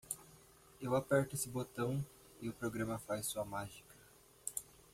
Eu aperto este botão e o programa faz sua mágica.